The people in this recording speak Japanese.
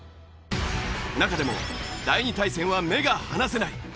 中でも第２対戦は目が離せない！